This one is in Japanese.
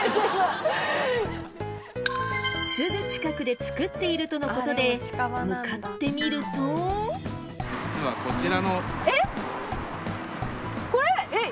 すぐ近くで作っているとのことで向かってみるとこれ？